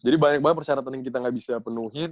jadi banyak banget persyaratan yang kita gak bisa penuhin